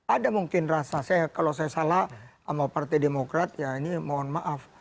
ada mungkin rasa kalau saya salah sama partai demokrat ya ini mohon maaf